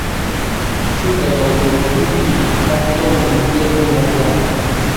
چوو دەگەڵ گوێ کورتی ئەحمەق کەوت و لێک بوونە برا